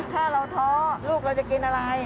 ก็คือเราเป็นมือใหม่เนอะตอนนั้นครับ